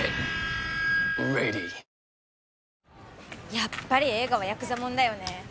やっぱり映画はヤクザものだよね